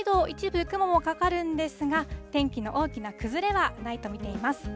一部、雲もかかるんですが、天気の大きな崩れはないと見ています。